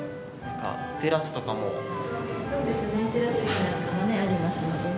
テラス席なんかもねありますのでね